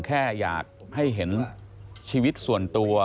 แค่อยากให้เห็นชีวิตส่วนตัว